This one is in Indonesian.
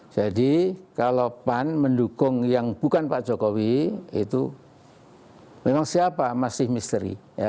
jadi kalau pan mendukung yang bukan pak jokowi itu memang siapa masih misteri ya